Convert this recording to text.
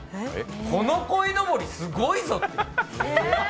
このこいのぼり、すごいぞって。